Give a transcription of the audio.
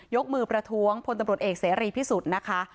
กมือประท้วงพลตำรวจเอกเสรีพิสุทธิ์นะคะ